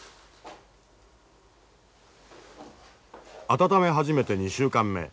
温め始めて２週間目。